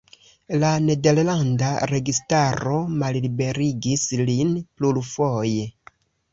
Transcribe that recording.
La nederlanda registaro malliberigis lin plurfoje.